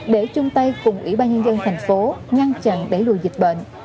để chung tay cùng ủy ban nhân dân thành phố ngăn chặn đẩy lùi dịch bệnh